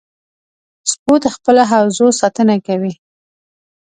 سپو د خپلو حوزو ساتنه کوي.